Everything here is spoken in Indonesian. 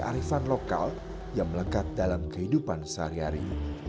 kearifan lokal yang melekat dalam kehidupan sehari hari